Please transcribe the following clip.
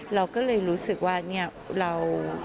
เราก็เลยรู้สึกว่าเนี่ยเรา